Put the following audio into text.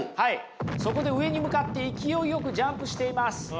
そこで上に向かって勢いよくジャンプしています。